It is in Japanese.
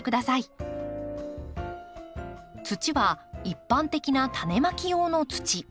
土は一般的なタネまき用の土。